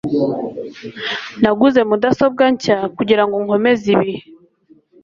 Naguze mudasobwa nshya kugirango nkomeze ibihe.